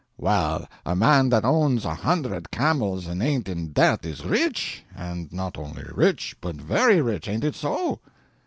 "Well, a man that owns a hundred camels and ain't in debt is rich—and not only rich, but very rich. Ain't it so?"